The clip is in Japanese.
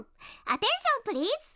アテンションプリーズ！